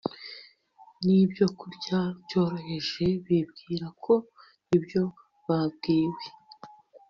nibyokurya byoroheje bibwira ko ibyo babwiwe